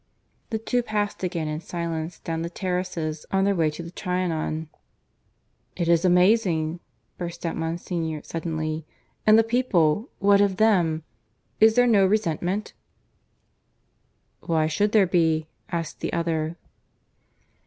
The two passed again in silence down the terraces on their way to the Trianon. "It is amazing," burst out Monsignor suddenly. "And the people. What of them? Is there no resentment?" "Why should there be?" asked the other.